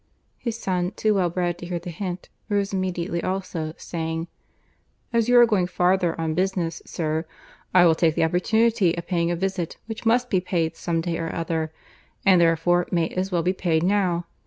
His son, too well bred to hear the hint, rose immediately also, saying, "As you are going farther on business, sir, I will take the opportunity of paying a visit, which must be paid some day or other, and therefore may as well be paid now.